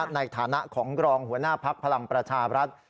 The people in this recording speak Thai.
ในฐานะของรองหัวหน้าภักดิ์พลังประชาบรัฐ